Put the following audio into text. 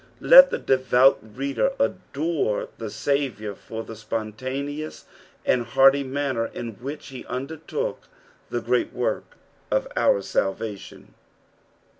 Let tho devout reader adore the Saviour for tbe spontaneous and hearty manner in which he undertook the great work of our salvation.